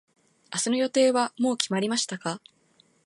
明日の予定はもう決まりましたか。